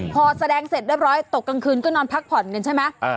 พอแสดงเสร็จเรียบร้อยตกกลางคืนก็นอนพักผ่อนกันใช่ไหม